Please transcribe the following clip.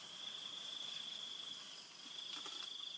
ที่นี่